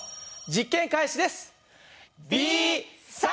実験開始です。